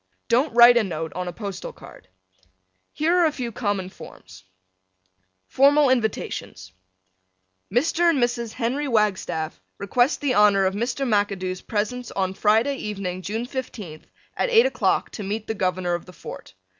Don't write a note on a postal card. Here are a few common forms: FORMAL INVITATIONS Mr. and Mrs. Henry Wagstaff request the honor of Mr. McAdoo's presence on Friday evening, June 15th, at 8 o'clock to meet the Governor of the Fort.